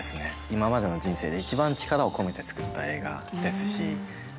今までの人生で一番力を込めて作った映画ですし。